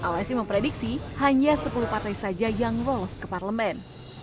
lsi memprediksi hanya sepuluh partai saja yang lolos ke parlemen